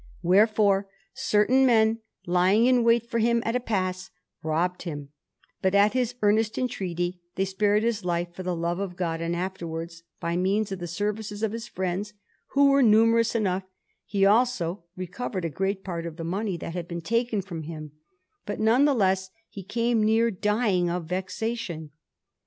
Wherefore certain men, lying in wait for him at a pass, robbed him, but at his earnest entreaty they spared his life for the love of God; and afterwards, by means of the services of his friends, who were numerous enough, he also recovered a great part of the money that had been taken from him; but none the less he came near dying of vexation.